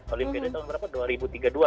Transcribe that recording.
olimpiade tahun berapa